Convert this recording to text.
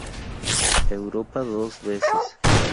Europa dos veces.